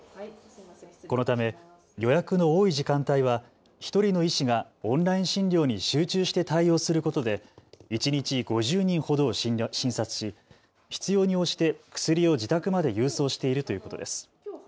このため予約の多い時間帯は１人の医師がオンライン診療に集中して対応することで一日５０人ほどを診察し必要に応じて薬を自宅まで郵送しているということです。